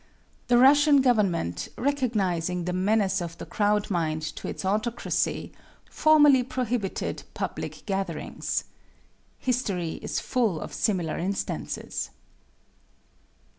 The Russian Government, recognizing the menace of the crowd mind to its autocracy, formerly prohibited public gatherings. History is full of similar instances.